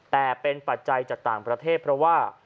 แต่เป็นปัจจัยจากต่างประเทศเพราะว่า